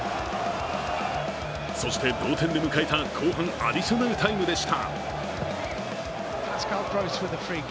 そして、同点で迎えた後半アディショナルタイムでした。